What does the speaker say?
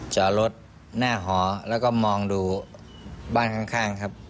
จอดรถหน้าหอแล้วก็มองดูบ้านข้างครับ